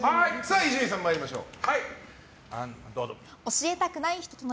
伊集院さん、参りましょう。